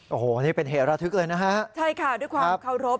โอ้โหนี่เป็นเหตุระทึกเลยนะฮะใช่ค่ะด้วยความเคารพ